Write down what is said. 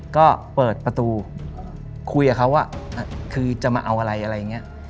ก็เปิดประตูคุยกับเขาว่าคือจะมาเอาอะไร